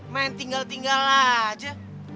main tinggal tinggal aja